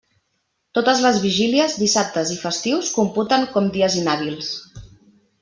Totes les vigílies, dissabtes i festius computen com dies inhàbils.